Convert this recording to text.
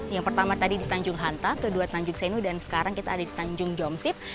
yang pertama tadi di tanjung hanta kedua tanjung senu dan sekarang kita ada di tanjung jongsip